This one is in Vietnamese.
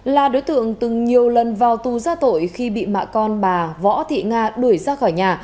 là đối tượng từng nhiều lần vào tù ra tội khi bị mẹ con bà võ thị nga đuổi ra khỏi nhà